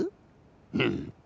うん。